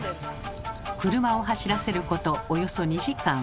車を走らせることおよそ２時間。